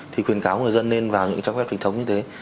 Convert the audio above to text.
thì khuyên cáo người dân nên vào những trang web chính thống như thế